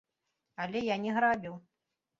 Але я не грабіў.